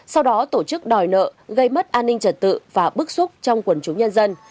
sau đó tổ chức đòi nợ gây mất an ninh trật tự và bức xúc trong quần chúng nhân dân